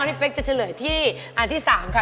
ที่เป็นที่๓ค่ะ